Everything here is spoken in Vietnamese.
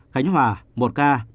khánh hòa một ca